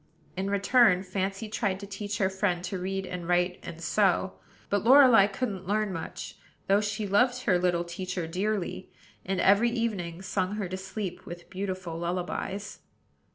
In return, Fancy tried to teach her friend to read and write and sew; but Lorelei couldn't learn much, though she loved her little teacher dearly, and every evening sung her to sleep with beautiful lullabies.